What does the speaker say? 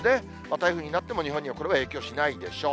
台風になっても日本にはこれは影響しないでしょう。